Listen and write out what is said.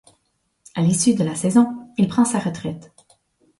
À l'issue de la saison, il prend sa retraite.